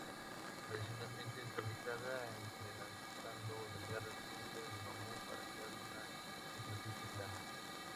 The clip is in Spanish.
Tradicionalmente es fabricada entrelazando delgadas cintas de bambú para crear una superficie plana.